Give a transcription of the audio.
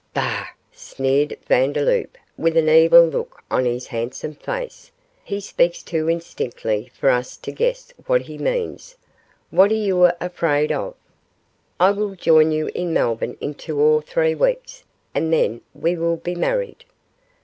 'Bah!' sneered Vandeloup, with an evil look on his handsome face, 'he speaks too indistinctly for us to guess what he means; what are you afraid of? I will join you in Melbourne in two or three weeks, and then we will be married.